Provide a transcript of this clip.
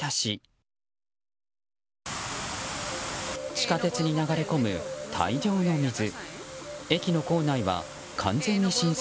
地下鉄に流れ込む大量の水。